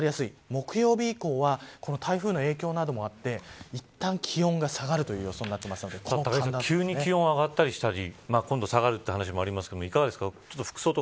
木曜日以降は台風の影響などもあって、いったん気温が急に気温が上がったりしたり今度下がるという話もありますがいかがすか